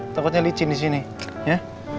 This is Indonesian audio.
takutnya licin di sini ya